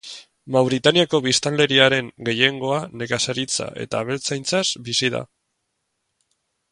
Mauritaniako biztanleriaren gehiengoa nekazaritza eta abeltzaintzaz bizi da.